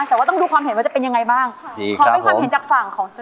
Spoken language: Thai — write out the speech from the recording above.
แต่ว่าต้องดูความเห็นว่าจะเป็นยังไงบ้างค่ะจริงขอเป็นความเห็นจากฝั่งของ